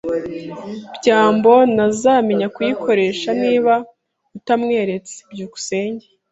byambo ntazamenya kuyikoresha niba utamweretse. byukusenge